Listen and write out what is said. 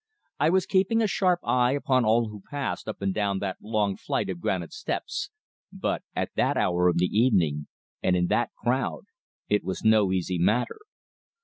I was keeping a sharp eye upon all who passed up and down that long flight of granite steps, but at that hour of the evening, and in that crowd, it was no easy matter.